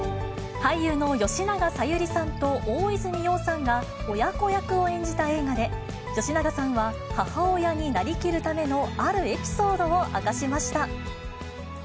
俳優の吉永小百合さんと大泉洋さんが、親子役を演じた映画で、吉永さんは母親になりきるためのあるエピソードを明かしました。